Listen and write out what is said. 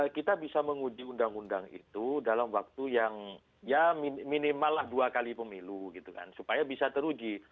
kita bisa menguji undang undang itu dalam waktu yang minimal dua kali pemilu supaya bisa teruji